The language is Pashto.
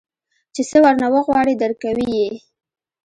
چې سه ورنه وغواړې درکوي يې.